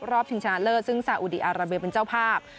ชิงชนะเลิศซึ่งสาอุดีอาราเบียเป็นเจ้าภาพ